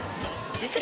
実は。